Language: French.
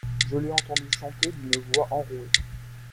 Je l’ai entendu chanter d’une voix enrouée.